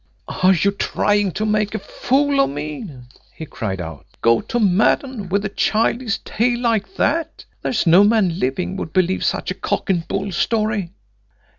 "Are you trying to make a fool of me?" he cried out. "Go to Maddon with a childish tale like that! There's no man living would believe such a cock and bull story!"